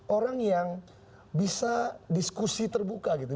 orang yang bisa diskusi terbuka gitu